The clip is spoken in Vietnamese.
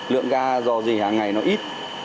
lượng ga dò dỉ hàng ngày nó ít